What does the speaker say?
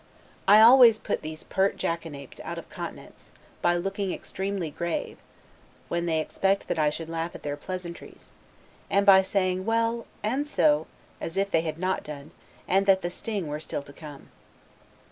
I always put these pert jackanapes out of countenance, by looking extremely grave, when they expect that I should laugh at their pleasantries; and by saying WELL, AND SO, as if they had not done, and that the sting were still to come.